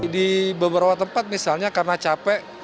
di beberapa tempat misalnya karena capek